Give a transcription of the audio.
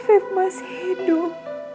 afif masih hidup